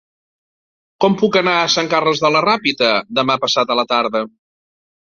Com puc anar a Sant Carles de la Ràpita demà passat a la tarda?